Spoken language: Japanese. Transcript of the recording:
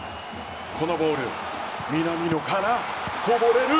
このボール、南野からこぼれる。